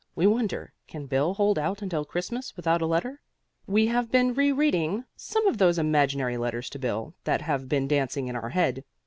We wonder, can Bill hold out until Christmas without a letter? We have been rereading some of those imaginary letters to Bill that have been dancing in our head.